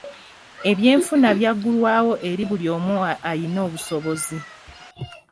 Ebyenfuna byaggulwawo eri buli omu alina obusobozi.